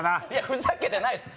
ふざけてないっす。